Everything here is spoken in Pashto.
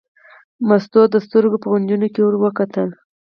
مستو د سترګو په کونجونو کې ور وکتل.